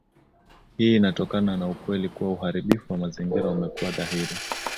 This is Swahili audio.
Hii inatokana na ukweli kuwa uharibifu wa mazingira umekuwa dhahiri